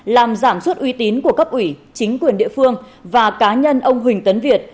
làm giảm suốt uy tín của cấp ủy chính quyền địa phương và cá nhân ông huỳnh tấn việt